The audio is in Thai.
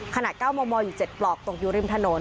๙มมอยู่๗ปลอกตกอยู่ริมถนน